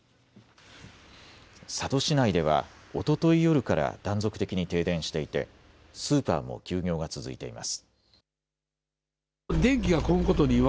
佐渡市内では、おととい夜から断続的に停電していてスーパーも休業が続いています。